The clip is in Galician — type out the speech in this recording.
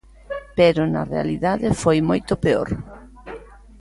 Pero na realidade foi moito peor.